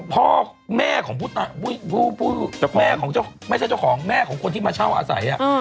พ่อแม่ของผู้ไม่ใช่เจ้าของแม่ของคนที่มาเช่าอาศัย